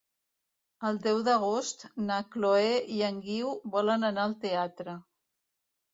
El deu d'agost na Chloé i en Guiu volen anar al teatre.